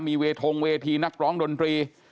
มีเวทงเวทีนักร้องดนตรี